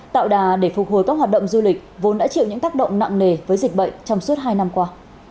tạo đà để phục hồi các hoạt động du lịch vốn đã chịu những tác động nặng nề với dịch bệnh trong suốt hai năm qua